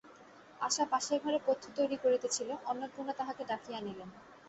আশা পাশের ঘরে পথ্য তৈরি করিতেছিল–অন্নপূর্ণা তাহাকে ডাকিয়া আনিলেন।